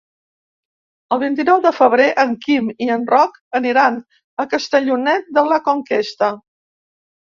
El vint-i-nou de febrer en Quim i en Roc aniran a Castellonet de la Conquesta.